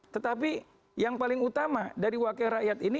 tetapi yang paling utama dari wakil rakyat ini